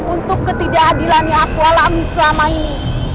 untuk ketidakadilan yang aku alami selama ini